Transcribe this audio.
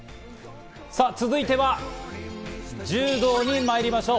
続いては柔道にまいりましょう。